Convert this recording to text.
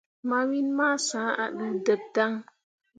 Mawin ma sã ah ɗuudeb dan.